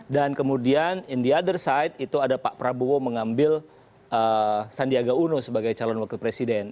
dan kemudian di sisi lain itu ada pak prabowo mengambil sandiaga uno sebagai calon wakil presiden